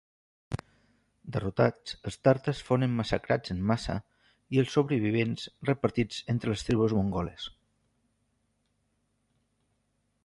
Derrotats els tàtars fonen massacrats en massa i els sobrevivents repartits entre les tribus mongoles.